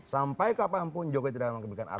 sampai kapanpun jokowi tidak akan memberikan arahan